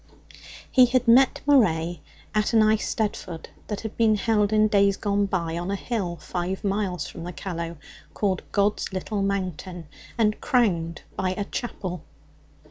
He had met Maray at an Eisteddfod that had been held in days gone by on a hill five miles from the Callow, called God's Little Mountain, and crowned by a chapel.